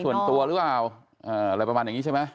ส่วนตัวหรือเปล่าอะไรประมาณอย่างนี้ใช่ไหม